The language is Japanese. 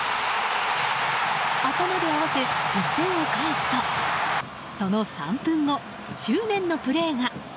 頭で合わせ、１点を返すとその３分後、執念のプレーが。